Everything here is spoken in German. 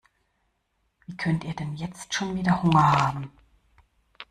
Wie könnt ihr denn jetzt schon wieder Hunger haben?